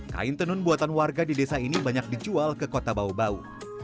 kain tenun buatan warga di desa ini banyak dijual ke kota bau bau